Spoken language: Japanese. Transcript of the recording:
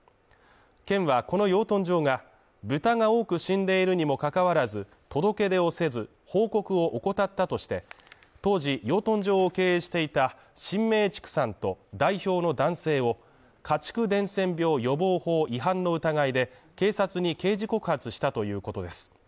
県はこの養豚場が豚が多く死んでいるにもかかわらず、届け出をせず報告を怠ったとして、当時、養豚場を経営していた神明畜産と代表の男性を家畜伝染病予防法違反の疑いで警察に刑事告発したということです。